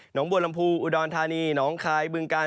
หนองบวลลำพูอุดรทานีหนองคายบึงกาล